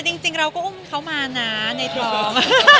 แต่จริงเราก็อุ้มเขามานะในท้อง